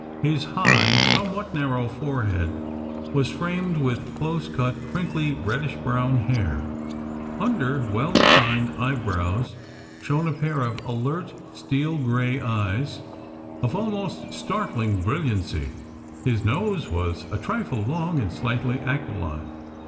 His high, somewhat narrow forehead was framed with close cut, crinkly, reddish brown hair. Under well defined brown eyebrows shone a pair of alert steel grey eyes of almost startling brilliancy. His nose was a trifle long and slightly aquiline.